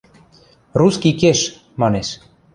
– Русский кеш, – манеш.